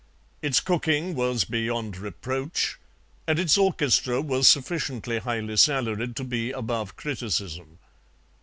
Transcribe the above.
Its cooking was beyond reproach, and its orchestra was sufficiently highly salaried to be above criticism.